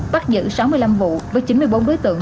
bắt giữ sáu mươi năm vụ với chín mươi bốn đối tượng